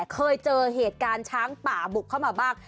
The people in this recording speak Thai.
เคยเจอเหตุการณ์ช้างป่าบุกเข้ามาบ้าง